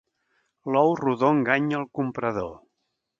L'ou rodó enganya al comprador.